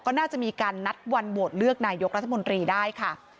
ก็น่าจะมีการนัดวันโหวตเลือกนายกรัฐมนตรีได้ค่ะ